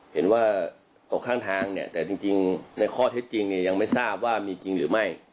เห็นว่าตกข้างทางเนี่ยแต่จริงในข้อเท็จจริงเนี่ยยังไม่ทราบว่ามีจริงหรือไม่